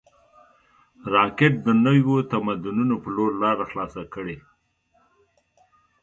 راکټ د نویو تمدنونو په لور لاره خلاصه کړې